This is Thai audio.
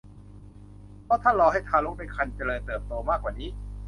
เพราะถ้ารอให้ทารกในครรภ์เจริญเติบโตมากกว่านี้